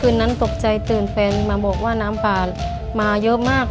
นั้นตกใจตื่นแฟนมาบอกว่าน้ำป่ามาเยอะมาก